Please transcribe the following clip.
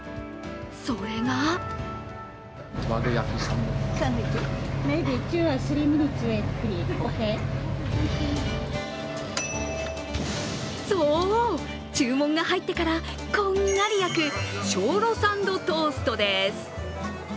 それがそう、注文が入ってからこんがり焼く松露サンドトーストです。